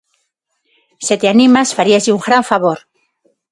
Se te animas, faríaslle un gran favor.